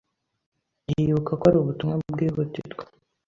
yibuka ko hari ubutumwa bwihutirwa